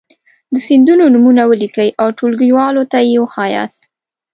د سیندونو نومونه ولیکئ او ټولګیوالو ته یې وښایاست.